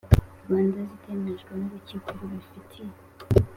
Rwanda zitemejwe nUrukiko rubifitiye